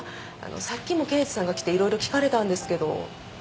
さっきも刑事さんが来て色々聞かれたんですけど。